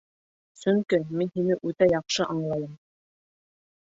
Сөнки мин һине үтә яҡшы аңлайым.